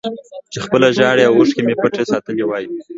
چې خپله ژړا او اوښکې مې پټې ساتلې وای